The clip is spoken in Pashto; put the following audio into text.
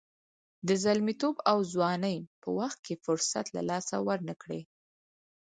د زلمیتوب او ځوانۍ په وخت کې فرصت له لاسه ورنه کړئ.